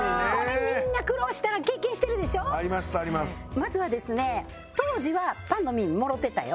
まずはですね当時はパンの耳もろてたよ。